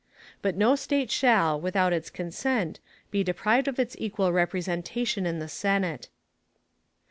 But_ no State shall, without its consent, be deprived of its equal representation in the Senate.